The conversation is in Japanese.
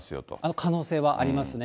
可能性はありますね。